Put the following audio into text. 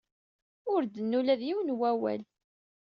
Ur d-tenni ula d yiwen n wawal.